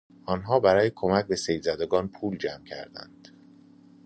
آنها برای کمک به سیل زدگان پول جمع کردند.